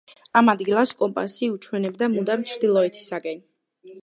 ამ ადგილას კომპასი უჩვენებდა მუდამ ჩრდილოეთისაკენ.